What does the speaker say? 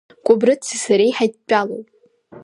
Кәыбрыци сареи ҳаидтәалоуп.